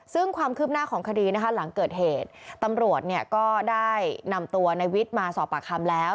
ซึ่งความคืบหน้าของคดีนะคะหลังเกิดเหตุตำรวจเนี่ยก็ได้นำตัวในวิทย์มาสอบปากคำแล้ว